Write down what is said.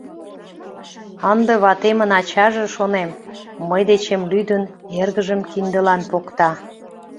«Ынде ватемын ачаже, — шонем, — мый дечем лӱдын, эргыжым киндылан покта».